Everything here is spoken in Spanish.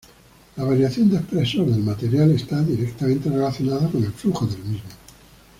La variación de espesor del material está directamente relacionada con el flujo del mismo.